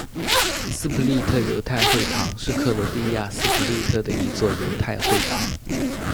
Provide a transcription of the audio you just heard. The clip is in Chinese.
斯普利特犹太会堂是克罗地亚斯普利特的一座犹太会堂。